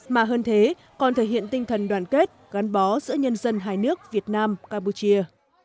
mà hơn thế còn thể hiện tinh thần đoàn kết gắn bó giữa nhân dân hai nước việt nam campuchia